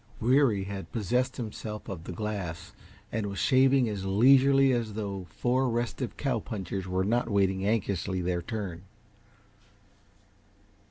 Weary had possessed himself of the glass and was shaving as leisurely as though four restive cow punchers were not waiting anxiously their turn.